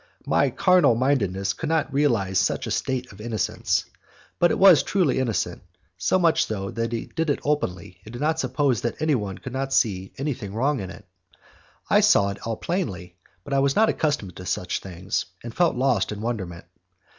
My carnal mindedness could not realize such a state of innocence. But it was truly innocent, so much so that he did it openly, and did not suppose that anyone could see anything wrong in it. I saw it all plainly, but I was not accustomed to such things, and felt lost in wonderment.